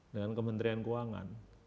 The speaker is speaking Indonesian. dengan kementerian keuangan